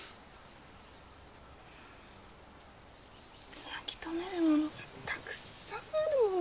つなぎ止めるものがたくさんあるもん。